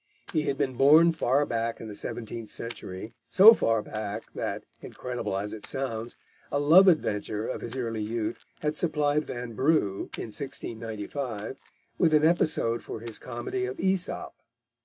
He had been born far back in the seventeenth century, so far back that, incredible as it sounds, a love adventure of his early youth had supplied Vanbrugh, in 1695, with an episode for his comedy of Aesop.